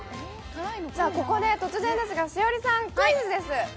ここで突然ですが、栞里さんクイズです。